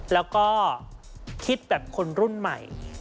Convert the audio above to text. แล้วก็คิดแบบคนรุ่นใหม่